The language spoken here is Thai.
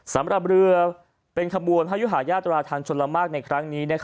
สำหรับเรือเป็นขบวนพระยุหายาตราทางชนละมากในครั้งนี้